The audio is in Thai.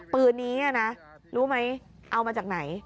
ปืนนี้นะรู้ไหมเอามาจากไหน